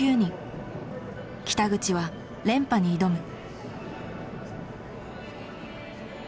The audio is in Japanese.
北口は連覇に挑む。